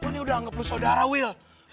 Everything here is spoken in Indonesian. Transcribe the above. kau ini udah anggap lu sodara wil